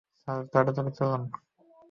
Sir, তাড়াতাড়ি করুন।